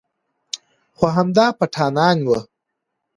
خو همدا پټانان و.